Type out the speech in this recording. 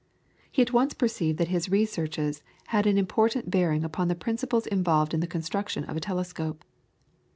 He at once perceived that his researches had an important bearing upon the principles involved in the construction of a telescope.